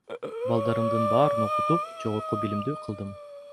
Балдарымдын баарын окутуп жогорку билимдүү кылдым.